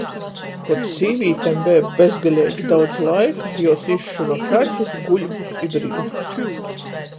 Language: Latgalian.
Kod sīvītem beja bezgaleigi daudz laika, juos izšyva kačus, guļbus i brīžus.